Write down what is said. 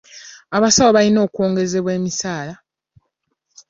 Abasawo balina okwongezebwa emisaala.